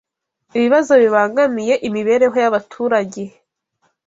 ibibazo bibangamiye imibereho y’abaturage